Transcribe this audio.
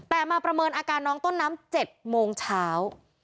แต่มาประเมินอาการน้องต้นน้ำ๗โมงเช้า